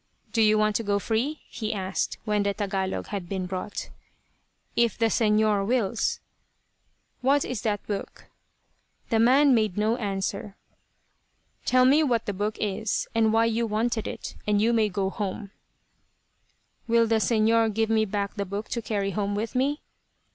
"Do you want to go free?" he asked, when the Tagalog had been brought. "If the Señor wills." "What is that book?" The man made no answer. "Tell me what the book is, and why you wanted it; and you may go home." "Will the Señor give me back the book to carry home with me?"